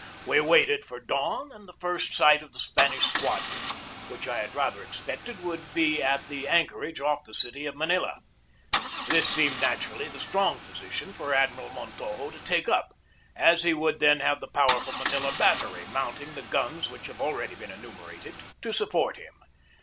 We waited for dawn and the first sight of the Spanish squadron, which I had rather expected would be at the anchor age off the city of Manila. This seemed naturally the strong position for Admiral Montojo to take up, as he would then have the powerful Manila battery, mounting the guns which have already been enu merated, to support him.